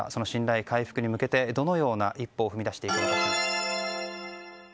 その信頼回復に向けてどのような一歩を踏み出していくのでしょうか。